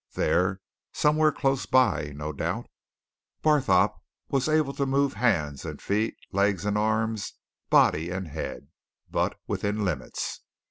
There, somewhere close by, no doubt, Barthorpe was able to move hands and feet, legs and arms, body and head but within limits.